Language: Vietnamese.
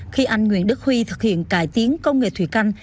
khi anh nguyễn đức huy thực hiện cải tiến công nghệ thủy canh